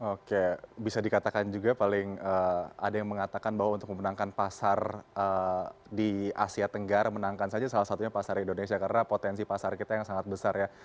oke bisa dikatakan juga paling ada yang mengatakan bahwa untuk memenangkan pasar di asia tenggara menangkan saja salah satunya pasar indonesia karena potensi pasar kita yang sangat besar ya